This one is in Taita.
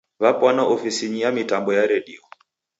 W'apwana ofisinyi ya mitambo ya redio.